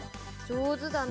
上手だな。